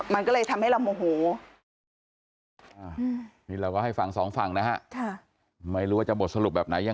มันก็เลยทำให้เราโมโห